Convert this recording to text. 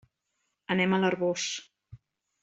Anem a l'Arboç.